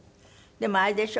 でもあれでしょ？